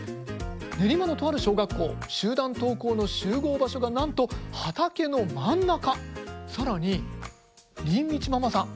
練馬のとある小学校集団登校の集合場所が何と畑の真ん中！